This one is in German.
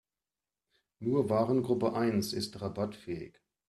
Nur Warengruppe eins ist rabattfähig.